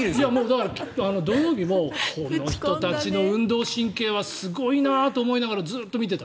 だから、土曜日もこの人たちの運動神経はすごいなと思いながらずっと見ていた。